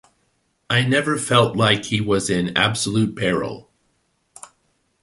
I never felt like he was in absolute peril.